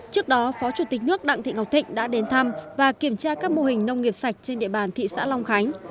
trước đó phó chủ tịch nước đặng thị ngọc thịnh đã đến thăm và kiểm tra các mô hình nông nghiệp sạch trên địa bàn thị xã long khánh